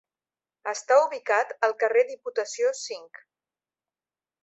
Està ubicat al carrer Diputació cinc.